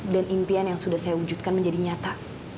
dan impian yang sudah saya wujudkan menjadi nyata